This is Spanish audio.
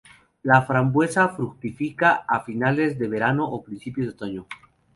La frambuesa fructifica a finales de verano o principios de otoño.